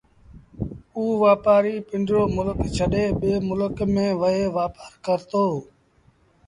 اُ وآپآري پنڊرو ملڪ ڇڏي ٻي ملڪ ميݩ وهي وآپآر ڪرتو